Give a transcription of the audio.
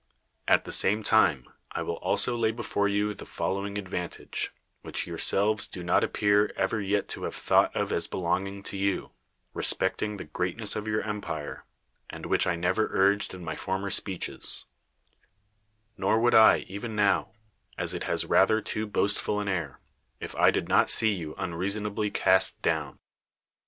At the same time, I will also lay before you the following advantage, which yourselves do not appear ever yet to have thought of as belonging to you, res})eetiiig the greatness of your empire, and which i ucvit urged in my former speeches; nor would I eviti now, as it has rather too boastful an air, if T did not see you unreasonably cast down.